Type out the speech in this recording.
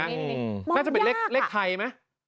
มองยากค่ะน่าจะเป็นเลขไทยมั้ย